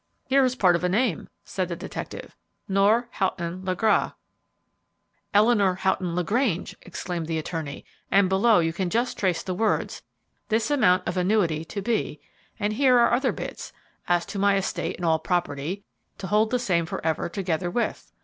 "Here is part of a name," said the detective, "'nor Houghton LaGra' " "Eleanor Houghton LaGrange!" exclaimed the attorney, "and below you can just trace the words, 'this amount of annuity to be'; and here are other bits, 'as to my estate and all property,' 'to hold the same forever, together with.'